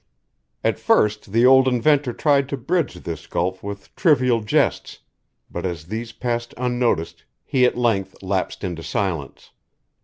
At first the old inventor tried to bridge this gulf with trivial jests, but as these passed unnoticed he at length lapsed into silence.